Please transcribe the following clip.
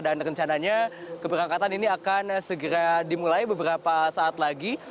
dan rencananya keberangkatan ini akan segera dimulai beberapa saat lagi